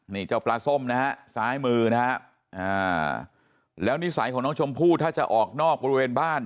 นี่เจ้าปลาส้มนะฮะซ้ายมือนะฮะแล้วนิสัยของน้องชมพู่ถ้าจะออกนอกบริเวณบ้าน